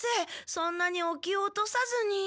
そんなにお気を落とさずに。